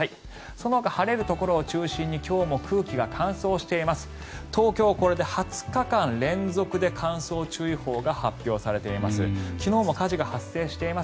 そのほか晴れるところを中心に今日も空気が乾燥しています。